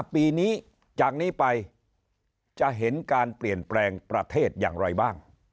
ปีนี้จากนี้ไปจะเห็นการเปลี่ยนแปลงประเทศอย่างไรบ้าง